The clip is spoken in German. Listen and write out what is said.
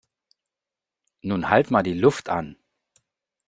Nun halt mal die Luft an!